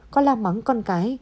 có la mắng con cái